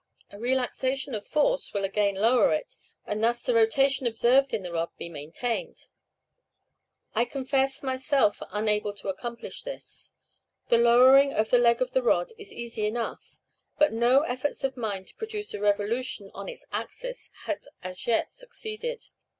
A relaxation of force will again lower it, and thus the rotation observed in the rod be maintained. I confess myself unable to accomplish this. The lowering of the leg of the rod is easy enough, but no efforts of mine to produce a revolution on its axis have as yet succeeded.